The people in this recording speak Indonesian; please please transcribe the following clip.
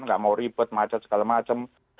nggak mau ribet macet segala macam